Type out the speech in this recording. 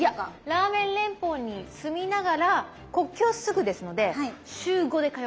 ラーメン連邦に住みながら国境すぐですので週５で通います。